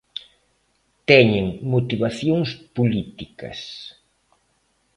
Teñen motivacións políticas.